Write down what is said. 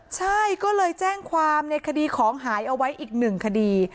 ใช่ก็เลยแจ้งความในคดีของหายเอาไว้อีกหนึ่งคดี